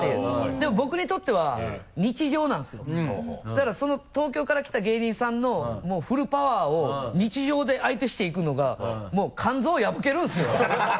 でも僕にとっては日常なんですよだからその東京から来た芸人さんのフルパワーを日常で相手していくのがもう肝臓破けるんですよ。